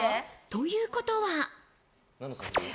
ということは。